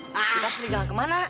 kita sendiri jalan ke mana